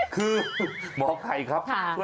คือหมอไก่ครับ